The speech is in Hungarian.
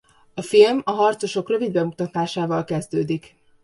A film a harcosok rövid bemutatásával kezdődik.